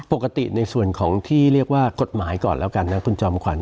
ในส่วนของที่เรียกว่ากฎหมายก่อนแล้วกันนะคุณจอมขวัญ